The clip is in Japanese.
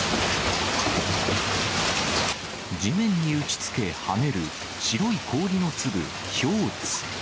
地面に打ちつけ、はねる白い氷の粒、ひょうです。